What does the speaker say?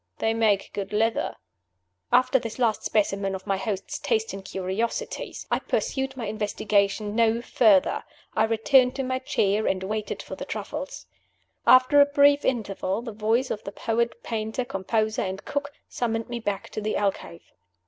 They make good leather." After this last specimen of my host's taste in curiosities, I pursued my investigation no further. I returned to my chair, and waited for the truffles. After a brief interval, the voice of the poet painter composer and cook summoned me back to the alcove.